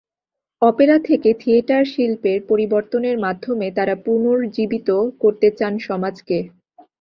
Opera থেকে theatre শিল্পের পরিবর্তনের মাধ্যমে তাঁরা পুনর্জীবিত করতে চান সমাজকে।